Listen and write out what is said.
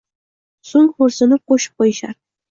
So’ng xo’rsinib qo’shib qo’yishar: